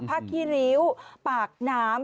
ขี้ริ้วปากน้ำ